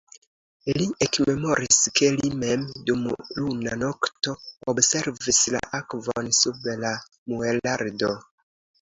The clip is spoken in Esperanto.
Li ekmemoris, ke li mem, dum luna nokto, observis la akvon sub la muelrado.